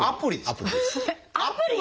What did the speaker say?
アプリ！？